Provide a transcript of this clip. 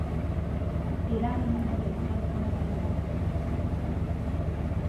Eragin handia izan zuen haren gobernuan.